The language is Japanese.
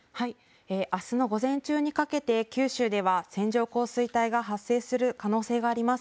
あすの午前中にかけて九州では線状降水帯が発生する可能性があります。